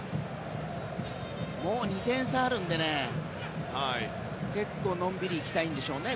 もう２点差あるので結構のんびり行きたいですよね。